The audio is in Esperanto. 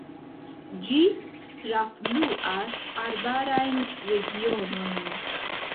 Ĝi trafluas arbarajn regionojn.